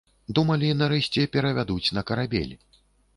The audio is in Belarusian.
Думалі, нарэшце, перавядуць на карабель.